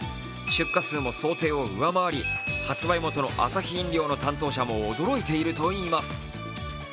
出荷数も想定を上回り、発売元のアサヒ飲料の担当者も驚いているといいます。